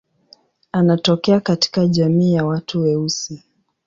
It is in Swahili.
Anatokea katika jamii ya watu weusi.